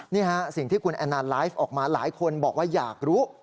นี่ฮะสิ่งที่คุณแอนนานไลฟ์ออกมาหลายคนบอกว่าอยากรู้